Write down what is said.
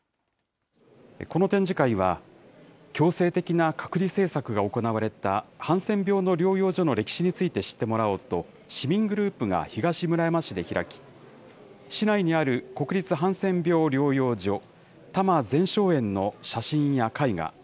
この展示会は、強制的な隔離政策が行われた、ハンセン病の療養所の歴史について知ってもらおうと、市民グループが東村山市で開き、市内にある国立ハンセン病療養所、多磨全生園の写真や絵画